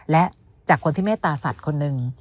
และจากคนที่เมตตาสัตว์คนหนึ่ง